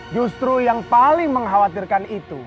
justru yang paling mengkhawatirkan itu